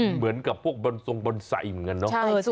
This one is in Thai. เหมือนกับพวกบรนทรงบรนไซม์อย่างนั้นเนาะ